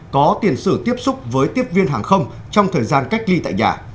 có tiền sử tiếp xúc với tiếp viên hàng không trong thời gian cách ly tại nhà